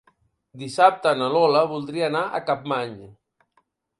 Dissabte na Lola voldria anar a Capmany.